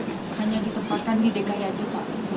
hanya ditempatkan di dki aja pak